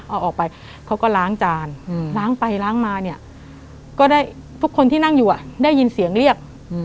เอาออกไปเขาก็ล้างจานล้างไปล้างมาเนี่ยก็ได้ทุกคนที่นั่งอยู่ได้ยินเสียงเรียก